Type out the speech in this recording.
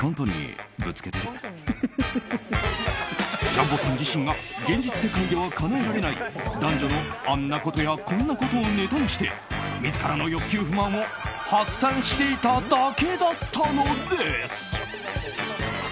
ジャンボさん自身が現実世界ではかなえられない男女のあんなことやこんなことをネタにして自らの欲求不満を発散していただけだったのです。